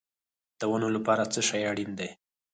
د ونو لپاره څه شی اړین دی؟